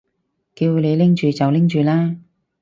叫你拎住就拎住啦